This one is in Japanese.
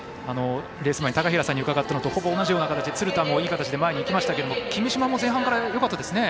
レース前高平さんに伺ったのとほぼ同じような形で鶴田、いい形で前にいきましたが君嶋も前半よかったですね。